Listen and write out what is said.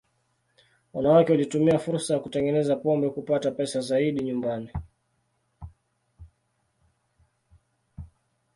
Wanawake walitumia fursa ya kutengeneza pombe kupata pesa zaidi nyumbani.